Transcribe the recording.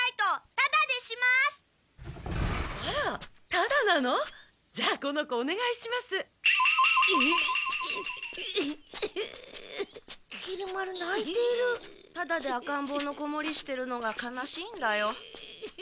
タダであかんぼうの子守してるのが悲しいんだよ。